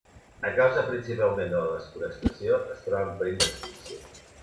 A causa principalment de la desforestació, es troba en perill d'extinció.